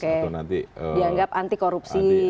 atau nanti dianggap anti korupsi